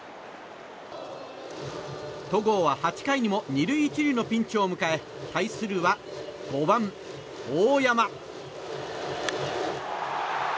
戸郷は８回にも２塁１塁のピンチを迎え対するは５番、大山。